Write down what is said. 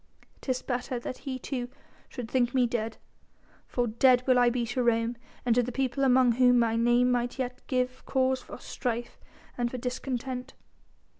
'Tis better that he too should think me dead, for dead will I be to Rome and to the people among whom my name might yet give cause for strife and for discontent.